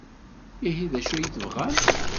Ihi d acu i tebɣam?